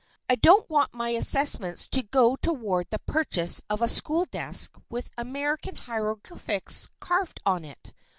I don't want my assessments to go toward the purchase of a school desk with American hieroglyphics carved on it.